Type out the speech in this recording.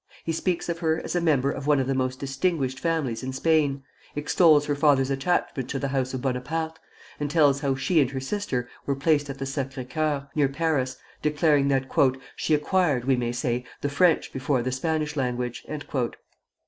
He speaks of her as a member of one of the most distinguished families in Spain, extols her father's attachment to the house of Bonaparte, and tells how she and her sister were placed at the Sacré Coeur, near Paris, declaring that "she acquired, we may say, the French before the Spanish language."